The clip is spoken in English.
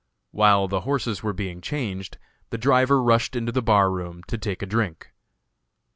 While the horses were being changed, the driver rushed into the bar room to take a drink.